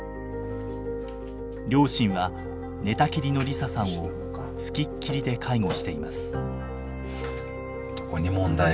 両親は寝たきりの梨沙さんを付きっきりで介護しています。